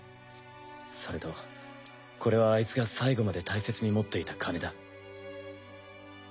それとこれはアイツが最後まで大切に持っていた金だ。